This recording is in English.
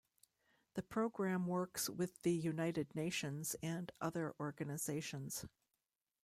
The program works with the United Nations and other organizations.